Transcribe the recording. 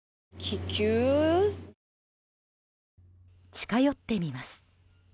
近寄ってみます。